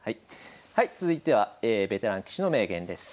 はい続いてはベテラン棋士の名言です。